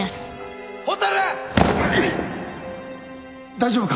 大丈夫か？